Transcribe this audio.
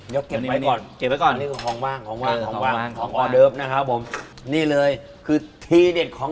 ยกเก็บทีนี้ไปก่อน